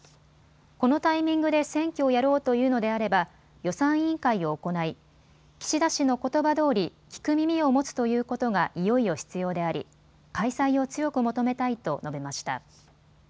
このタイミングで選挙をやろうというのであれば予算委員会を行い岸田氏のことばどおり、聞く耳を持つということがいよいよ必要であり開催を強く求めたいと述べました。